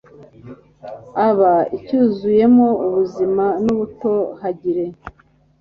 aba acyuzuyemo ubuzima n’ubutohagire